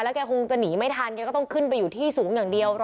แกคงจะหนีไม่ทันแกก็ต้องขึ้นไปอยู่ที่สูงอย่างเดียว